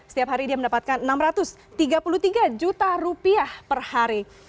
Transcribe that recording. setiap hari dia mendapatkan enam ratus tiga puluh tiga juta rupiah per hari